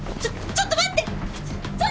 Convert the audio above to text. ちょっと待って！